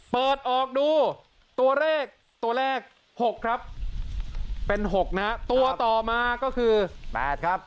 เปิดออกดูตัวเลขตัวแรกหกครับเป็นหกนะตัวต่อมาก็คือแปดครับ